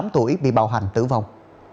tám tuổi bị bạo hành tử vong